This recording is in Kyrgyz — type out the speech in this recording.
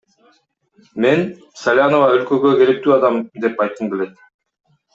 Мен Салянова – өлкөгө керектүү адам деп айткым келет.